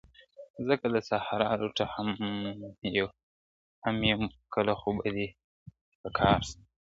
زه که د صحرا لوټه هم یم کله خو به دي په کار سم `